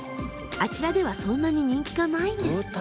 あちらではそんなに人気がないんですって。